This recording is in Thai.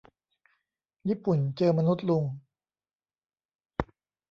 ญี่ปุ่นเจอมนุษย์ลุง